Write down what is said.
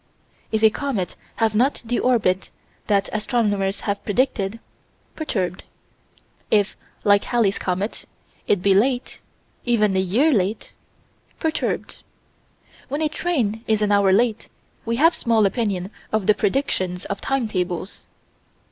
If a comet have not the orbit that astronomers have predicted perturbed. If like Halley's comet it be late even a year late perturbed. When a train is an hour late, we have small opinion of the predictions of timetables.